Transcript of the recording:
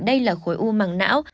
đây là khối u màng não